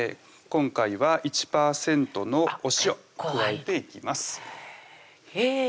今回は１％のお塩加えていきますえ